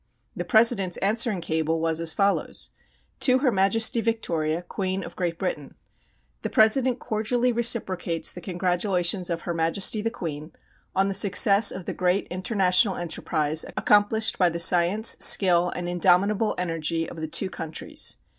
The President's answering cable was as follows: "To Her Majesty Victoria, Queen of Great Britain "The President cordially reciprocates the congratulations of Her Majesty the Queen on the success of the great international enterprise accomplished by the science, skill, and indomitable energy of the two countries.